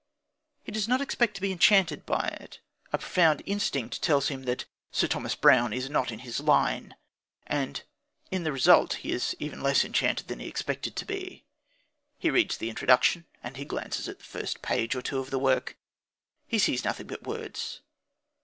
He does not expect to be enchanted by it; a profound instinct tells him that Sir Thomas Browne is "not in his line"; and in the result he is even less enchanted than he expected to be. He reads the introduction, and he glances at the first page or two of the work. He sees nothing but words.